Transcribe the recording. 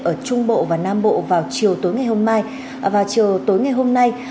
ở trung bộ và nam bộ vào chiều tối ngày hôm nay